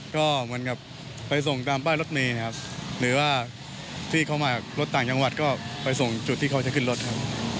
ก็เหมือนกับไปส่งตามป้ายรถเมย์นะครับหรือว่าที่เขามารถต่างจังหวัดก็ไปส่งจุดที่เขาจะขึ้นรถครับ